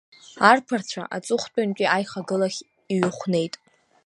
Арԥарцәа аҵыхәтәантәи аихагылахь иҩыхәнеит.